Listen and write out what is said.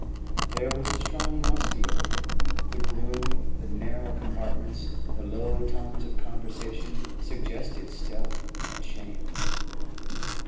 There was a strong musty odour; the gloom, the narrow compartments, the low tones of conversation, suggested stealth and shame.